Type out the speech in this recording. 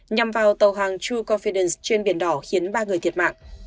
nhằm vào tàu hàng troe confidence trên biển đỏ khiến ba người thiệt mạng